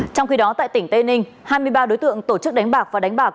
trong khi đó tại tỉnh tây ninh hai mươi ba đối tượng tổ chức đánh bạc và đánh bạc